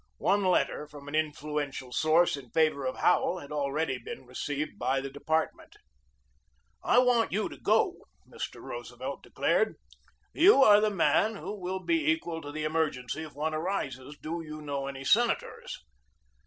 One letter from an influential source in favor of Howell had already been received by the department. "I want you to go," Mr. Roosevelt declared. "You are the man who will be equal to the emer gency if one arises. Do you know any senators?"